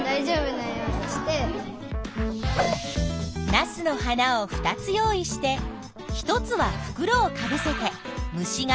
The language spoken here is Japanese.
ナスの花を２つ用意して１つはふくろをかぶせて虫が来ないようにする。